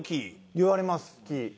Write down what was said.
言われますキー。